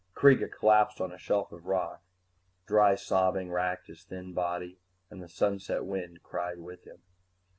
Kreega collapsed on a shelf of rock. Dry sobbing racked his thin body, and the sunset wind cried with him.